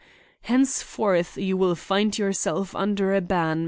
Henceforth you will find yourself under a ban, Mr. Moore."